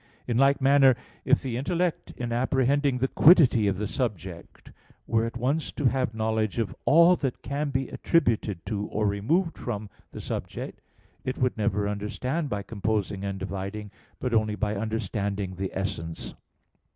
In like manner, if the intellect in apprehending the quiddity of the subject were at once to have knowledge of all that can be attributed to, or removed from, the subject, it would never understand by composing and dividing, but only by understanding the essence.